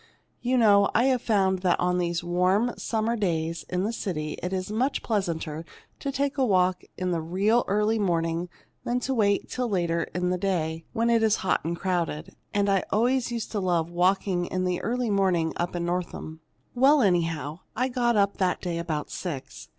You know, I've found that on these warm summer days in the city it's much pleasanter to take a walk in the real early morning than to wait till later in the day, when it's crowded and hot. And I always used to love walking in the early morning, up in Northam. "Well, anyhow, I got up that day about six.